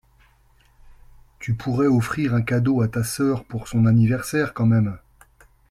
Tu pourrais offrir un cadeau à ta soeur pour son anniversaire quand même.